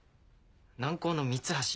軟高の三橋。